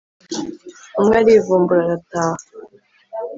umwe arivumbura arataha